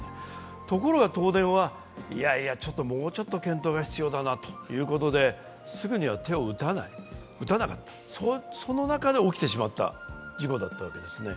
ところが東電は、いやいやもうちょっと検討が必要だなということですぐには手を打たなかった、その中で起きてしまった事故だったわけです。